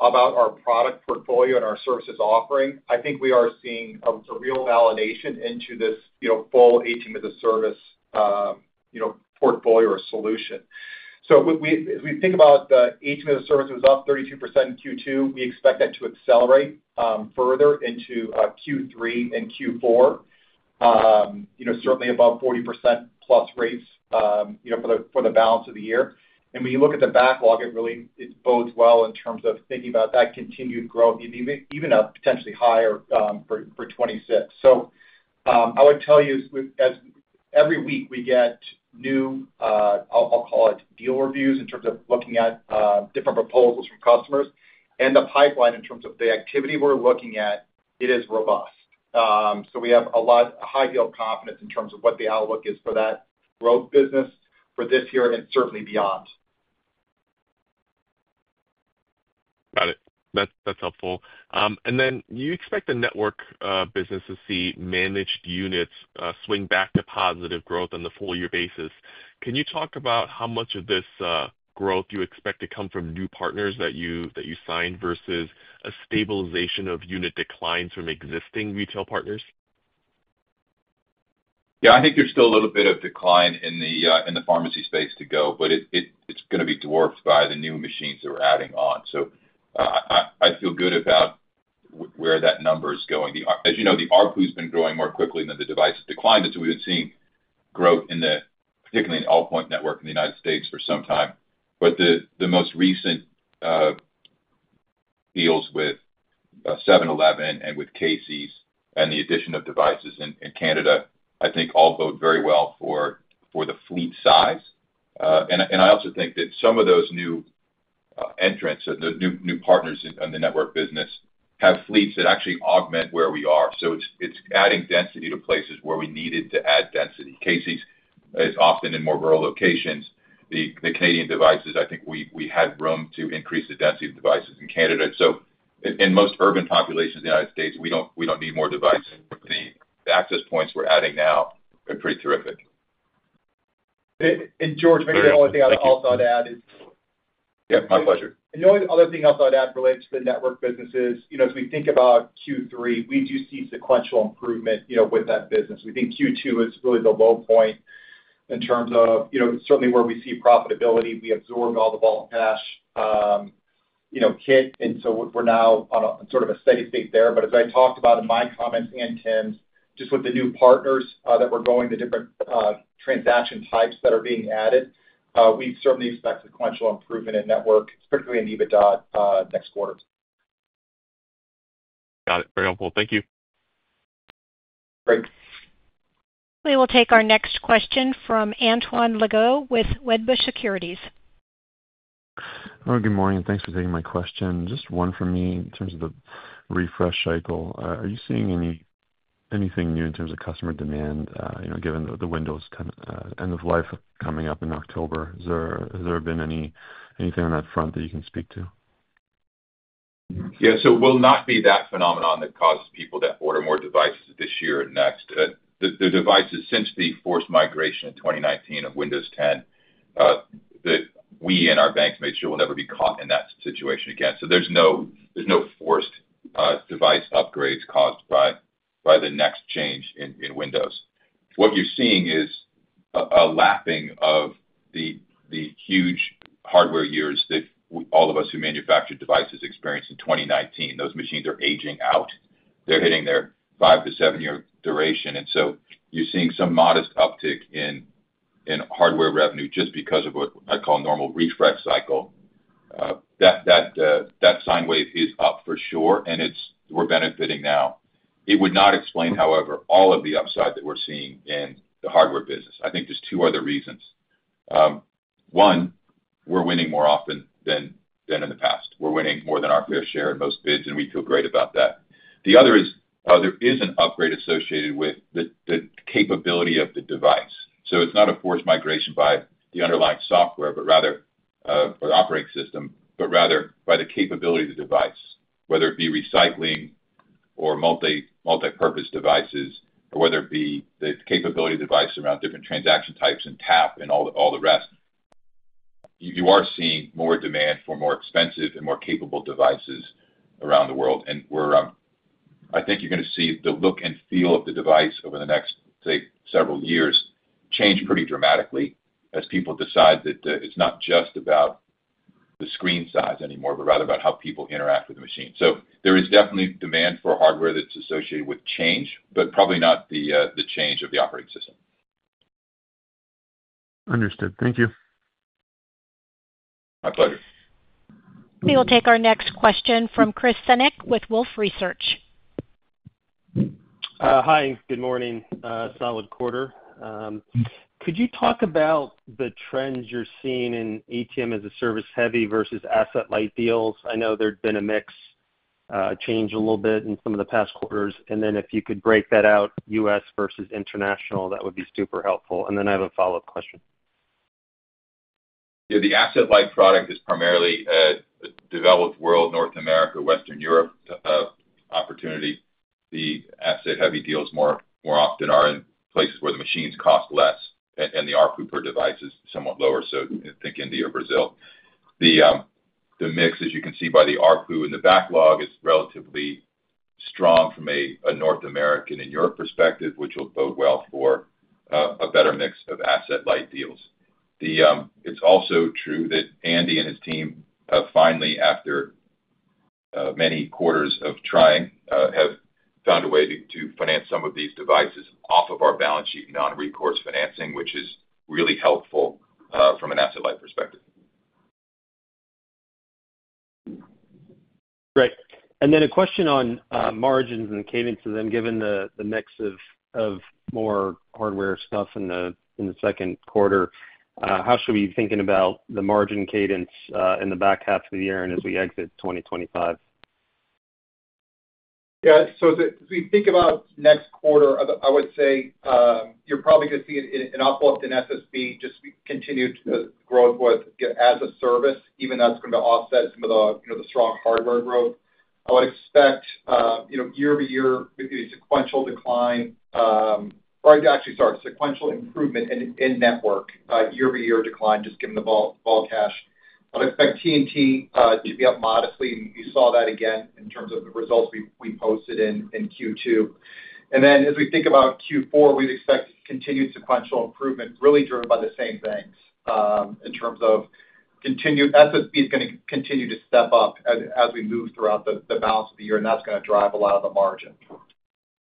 about our product portfolio and our services offering, we are seeing a real validation into this full ATM as a Service portfolio or solution. As we think about the ATM as a Service, it's up 32% in Q2. We expect that to accelerate further into Q3 and Q4, certainly above 40%+ rates for the balance of the year. When you look at the backlog, it really bodes well in terms of thinking about that continued growth, even potentially higher for 2026. I would tell you, as every week we get new, I'll call it deal reviews in terms of looking at different proposals from customers and the pipeline in terms of the activity we're looking at, it is robust. We have a lot of high deal of confidence in terms of what the outlook is for that growth business for this year and certainly beyond. Got it. That's helpful. You expect the Network business to see managed units swing back to positive growth on the full-year basis. Can you talk about how much of this growth you expect to come from new partners that you signed versus a stabilization of unit declines from existing retail partners? Yeah, I think there's still a little bit of decline in the pharmacy space to go, but it's going to be dwarfed by the new machines that we're adding on. I feel good about where that number is going. As you know, the ARPU has been growing more quickly than the device decline, and we've seen growth, particularly in in the United States for some time. The most recent deals with 7-Eleven and with Casey's and the addition of devices in Canada, I think all bode very well for the fleet size. I also think that some of those new entrants, the new partners in the network business, have fleets that actually augment where we are. It's adding density to places where we needed to add density. Casey's is often in more rural locations. The Canadian devices, I think we have room to increase the density of devices in Canada. In most urban populations in the United States, we don't need more devices. The access points we're adding now are pretty terrific. George, I think the only thing I'd also add is... Yeah, my pleasure. The only other thing I'll add relates to the network businesses. As we think about Q3, we do see sequential improvement with that business. We think Q2 is really the low point in terms of where we see profitability. We absorbed all the vault cash hit, and we're now on a sort of a steady state there. As I talked about in my comments and Tim's, just with the new partners that we're going, the different transaction types that are being added, we certainly expect sequential improvement in Network, particularly in EBITDA next quarter. Got it. Very helpful. Thank you. We will take our next question from Antoine Legault with Wedbush Securities. Hello, good morning. Thanks for taking my question. Just one for me in terms of the refresh cycle. Are you seeing anything new in terms of customer demand, you know, given the Windows 10 end of life coming up in October? Has there been anything on that front that you can speak to? Yeah, it will not be that phenomenon that causes people to order more devices this year. That's the devices since the forced migration in 2019 of Windows 10 that we and our banks made sure will never be caught in that situation again. There's no forced device upgrades caused by the next change in Windows. What you're seeing is a lapping of the huge hardware years that all of us who manufacture devices experienced in 2019. Those machines are aging out. They're hitting their five to seven-year duration, and you're seeing some modest uptick in hardware revenue just because of what I call a normal refresh cycle. That sine wave is up for sure, and we're benefiting now. It would not explain, however, all of the upside that we're seeing in the hardware business. I think there's two other reasons. One, we're winning more often than in the past. We're winning more than our fair share in most bids, and we feel great about that. The other is there is an upgrade associated with the capability of the device. It's not a forced migration by the underlying software, but rather for the operating system, but rather by the capability of the device, whether it be recycling or multi-purpose devices, or whether it be the capability of the device around different transaction types and TAF and all the rest. You are seeing more demand for more expensive and more capable devices around the world. I think you're going to see the look and feel of the device over the next, say, several years change pretty dramatically as people decide that it's not just about the screen size anymore, but rather about how people interact with the machine. There is definitely demand for hardware that's associated with change, but probably not the change of the operating system. Understood. Thank you. We will take our next question from Chris Senyek with Wolfe Research. Hi, good morning. Solid quarter. Could you talk about the trends you're seeing in ATM as a Service heavy versus asset-light deals? I know there's been a mix change a little bit in some of the past quarters. If you could break that out, U.S. versus international, that would be super helpful. I have a follow-up question. Yeah, the asset-light product is primarily a developed world, North America, Western Europe opportunity. The asset heavy deals more often are in places where the machines cost less and the ARPU per device is somewhat lower. I think India or Brazil. The mix, as you can see by the ARPU in the backlog, is relatively strong from a North America and Europe perspective, which will bode well for a better mix of asset-light deals. It's also true that Andy and his team, finally, after many quarters of trying, have found a way to finance some of these devices off of our balance sheet, non-recourse financing, which is really helpful from an asset light perspective. Great. A question on margins and cadences. Given the mix of more hardware stuff in the second quarter, how should we be thinking about the margin cadence in the back half of the year and as we exit 2025? Yeah, as we think about next quarter, I would say you're probably going to see an uplift in SSB, just continue to growth with as a service, even though it's going to offset some of the strong hardware growth. I would expect year-over-year sequential decline, or actually, sorry, sequential improvement in network, year-over-year decline, just given the vault cash. I would expect T&T to be up modestly. You saw that again in terms of the results we posted in Q2. As we think about Q4, we'd expect continued sequential improvement, really driven by the same thing in terms of continued SSB is going to continue to step up as we move throughout the balance of the year, and that's going to drive a lot of the margin.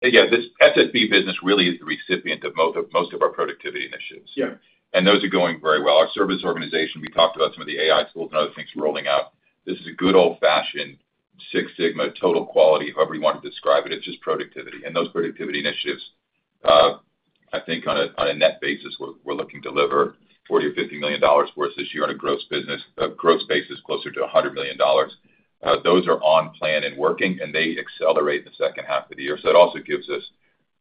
This SSB business really is the recipient of most of our productivity initiatives. Those are going very well. Our service organization, we talked about some of the AI tools and other things rolling out. This is a good old-fashioned Six Sigma total quality, however you want to describe it. It's just productivity. Those productivity initiatives, I think on a net basis, we're looking to deliver $40 to $50 million for us this year, on a gross basis closer to $100 million. Those are on plan and working, and they accelerate the second half of the year. That also gives us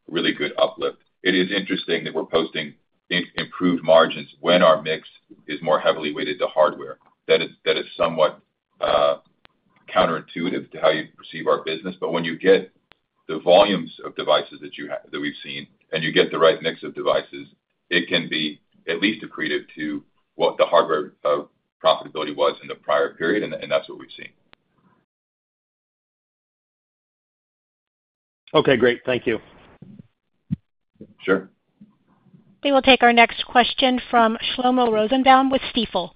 a really good uplift. It is interesting that we're posting improved margins when our mix is more heavily weighted to hardware. That is somewhat counterintuitive to how you perceive our business. When you get the volumes of devices that we've seen and you get the right mix of devices, it can be at least accretive to what the hardware profitability was in the prior period, and that's what we've seen. Okay, great. Thank you. Sure. We will take our next question from Shlomo Rosenbaum with Stifel.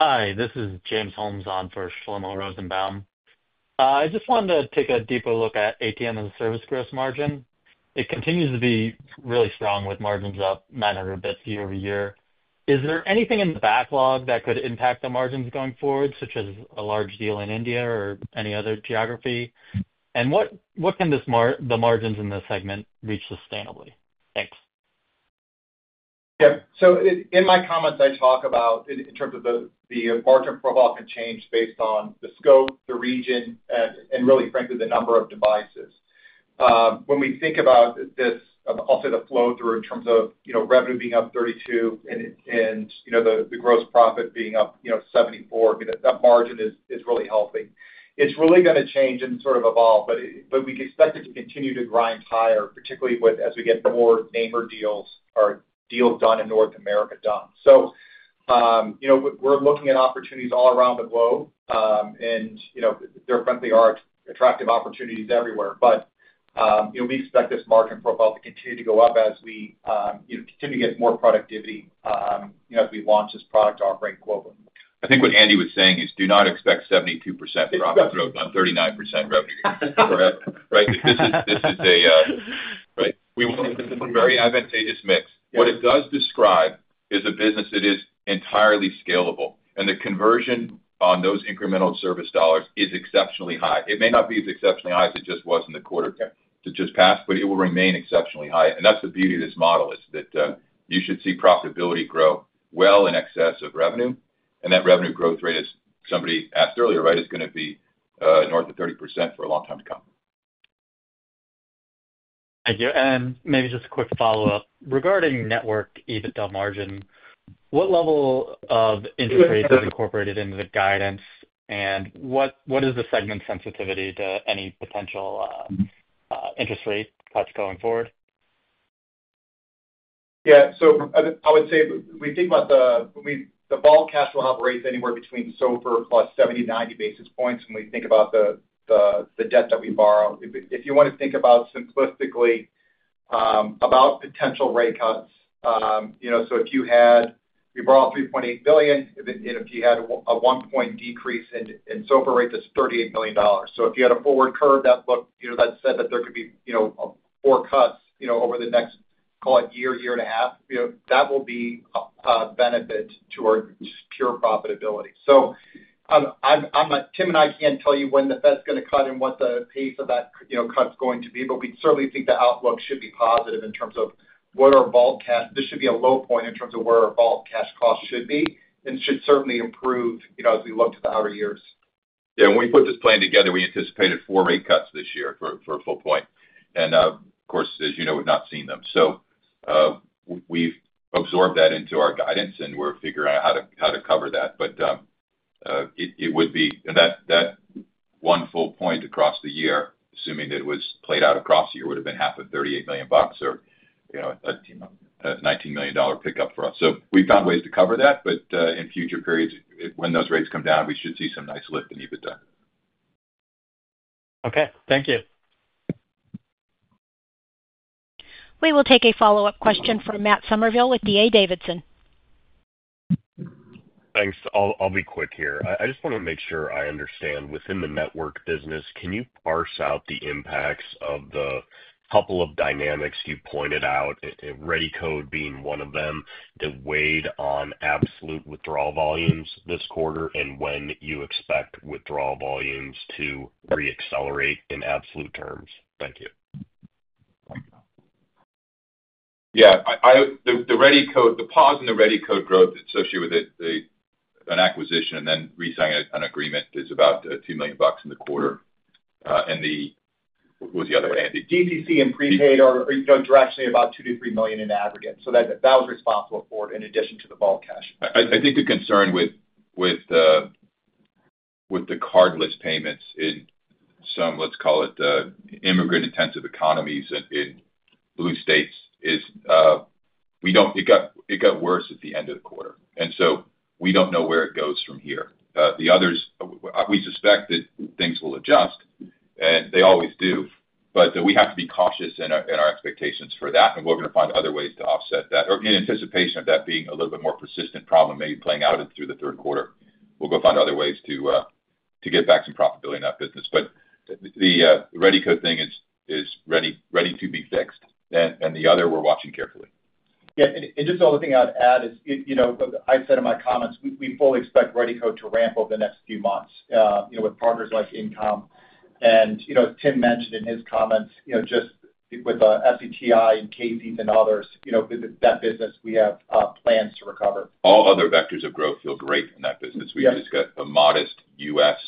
Hi, this is James Holmes on for Shlomo Rosenbaum. I just wanted to take a deeper look at ATM as a Service gross margin. It continues to be really strong with margins up 900 bps year-over-year. Is there anything in the backlog that could impact the margins going forward, such as a large deal in India or any other geography? What can the margins in this segment reach sustainably? Thanks. Yeah, in my comments, I talk about in terms of the market provocative change based on the scope, the region, and really, frankly, the number of devices. When we think about this, I'll say the flow-through in terms of revenue being up 32% and the gross profit being up 74%, that margin is really healthy. It's really going to change and sort of evolve, but we expect it to continue to grind higher, particularly as we get more deals done in North America. We're looking at opportunities all around the globe, and there frankly are attractive opportunities everywhere, but we expect this market profile to continue to go up as we continue to get more productivity as we launch this product offering quota. I think what Andy was saying is do not expect 72% dropout, no, 39% revenue. That's right. We want to be very advantageous in this. What it does describe is a business that is entirely scalable, and the conversion on those incremental service dollars is exceptionally high. It may not be as exceptionally high as it just was in the quarter that just passed, but it will remain exceptionally high. That's the beauty of this model, is that you should see profitability grow well in excess of revenue, and that revenue growth rate, as somebody asked earlier, is going to be north of 30% for a long time to come. Thank you. Maybe just a quick follow-up. Regarding Network EBITDA margin, what level of interest rate is incorporated into the guidance, and what is the segment sensitivity to any potential interest rate cuts going forward? Yeah, I would say we think about the vault cash will have rates anywhere between SOFR plus 70, 90 basis points when we think about the debt that we borrow. If you want to think simplistically about potential rate cuts, if we borrow $3.8 billion, and if you had a one-point decrease in SOFR rate, that's $38 million. If you had a forward curve that looked, that said that there could be four cuts over the next, call it, year, year and a half, that will be a benefit to our tier profitability. Tim and I can't tell you when the Fed's going to cut and what the pace of that cut is going to be, but we certainly think the outlook should be positive in terms of what our vault cash, this should be a low point in terms of where our vault cash costs should be and should certainly improve as we look to the outer years. Yeah, when we put this plan together, we anticipated four rate cuts this year for a full point. Of course, as you know, we've not seen them. We've absorbed that into our guidance and we're figuring out how to cover that. That one full point across the year, assuming that it was played out across the year, would have been half of $38 million, or a $19 million pickup for us. We've found ways to cover that, but in future periods, when those rates come down, we should see some nice lift in EBITDA. Okay, thank you. We will take a follow-up question from Matt Summerville with D.A. Davidson. Thanks. I'll be quick here. I just want to make sure I understand within the Network business, can you parse out the impacts of the couple of dynamics you pointed out, ReadyCode being one of them, the weight on absolute withdrawal volumes this quarter, and when you expect withdrawal volumes to reaccelerate in absolute terms? Thank you. Yeah, the ReadyCode digital payments, the pause in the ReadyCode digital payments growth associated with that acquisition and then reselling an agreement is about $2 million in the quarter. What was the other one? DTC and prepaid are directionally about $2 million-$3 million in aggregate. That was responsible for it in addition to the vault cash. I think the concern with the cardless payments in some, let's call it, immigrant intensive economies in blue states is we don't, it got worse at the end of the quarter. We don't know where it goes from here. The others, we suspect that things will adjust, and they always do, but we have to be cautious in our expectations for that. We are going to find other ways to offset that, or in anticipation of that being a little bit more persistent problem maybe playing out through the third quarter. We are going to find other ways to get back some profitability in that business. The ReadyCode thing is ready to be fixed. The other, we're watching carefully. Yeah, just the only thing I'd add is, I said in my comments, we fully expect ReadyCode digital payments to ramp up the next few months with partners like InComm. Tim mentioned in his comments, with FCTI and Casey's and others, that business, we have plans to recover. All other vectors of growth feel great in that business. We just got a modest U.S.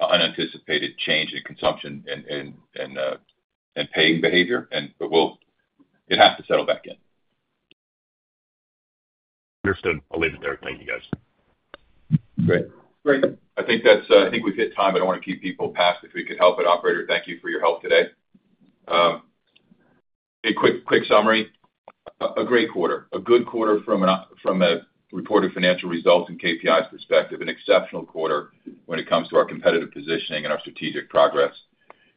unanticipated change in consumption and paying behavior, but it has to settle back in. Understood. I'll leave it there. Thank you, guys. Great. Great. I think we've hit time. I don't want to keep people past if we could help it, operator. Thank you for your help today. A quick summary. A great quarter. A good quarter from a reported financial results and KPIs perspective. An exceptional quarter when it comes to our competitive positioning and our strategic progress.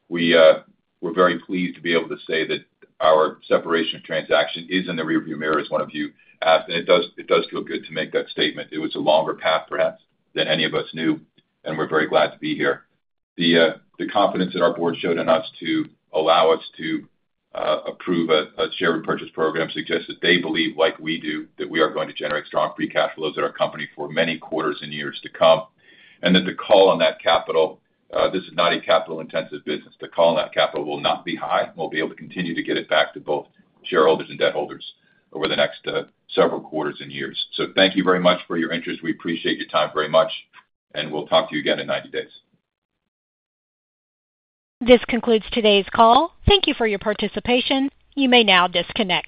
We're very pleased to be able to say that our separation transaction is in the rearview mirror as one of you asked. It does feel good to make that statement. It was a longer path perhaps than any of us knew. We're very glad to be here. The confidence that our board showed on us to allow us to approve a share repurchase program suggests that they believe, like we do, that we are going to generate strong free cash flows at our company for many quarters and years to come. The call on that capital, this is not a capital-intensive business. The call on that capital will not be high. We'll be able to continue to get it back to both shareholders and debt holders over the next several quarters and years. Thank you very much for your interest. We appreciate your time very much. We'll talk to you again in 90 days. This concludes today's call. Thank you for your participation. You may now disconnect.